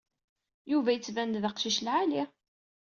Yuba yettban-d d aqcic lɛali.